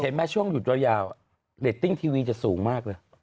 เห็นไหมช่วงหยุดรอยยาวเรดติ้งทีวีจะสูงมากเลย